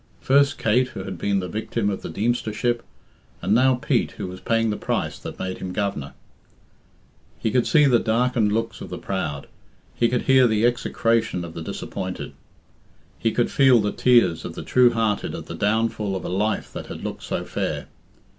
First Kate, who had been the victim of the Deemstership, and now Pete, who was paying the price that made him Governor. He could see the darkened looks of the proud; he could hear the execration of the disappointed; he could feel the tears of the true hearted at the downfall of a life that had looked so fair.